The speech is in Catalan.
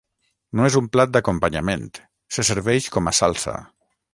No és un plat d'acompanyament, se serveix com a salsa.